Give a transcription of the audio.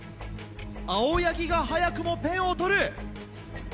青柳が早くもペンをとる！